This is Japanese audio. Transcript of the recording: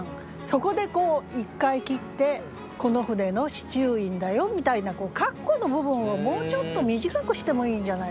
そこで１回切ってこの船の司厨員だよみたいな括弧の部分をもうちょっと短くしてもいいんじゃないですかね。